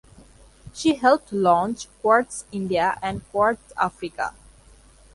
She helped launch Quartz India and Quartz Africa.